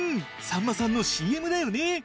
さんまさんのＣＭだよね。